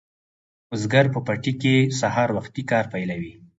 بزګر په پټي کې سهار وختي کار پیلوي.